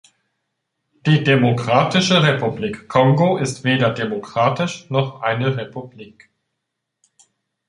Die Demokratische Republik Kongo ist weder demokratisch noch eine Republik.